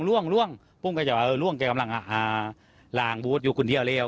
พวกมันก็เจ๋วว่าเออล่วงเจ๋กำลังล่างบูธอยู่คุณเที่ยวแล้ว